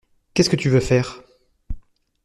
Qu'est-ce tu veux faire?